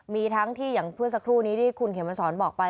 มีทั้งที่อย่างเมื่อสักครู่นี้ที่คุณเขมสอนบอกไป